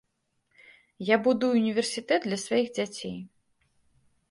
Я будую ўніверсітэт для сваіх дзяцей.